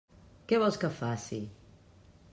Què vols que faci?